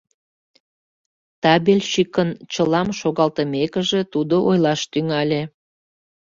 Табельщикын чылам шогалтымекыже, тудо ойлаш тӱҥале.